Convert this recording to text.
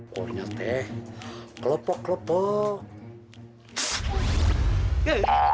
pokoknya teh kelopok kelopok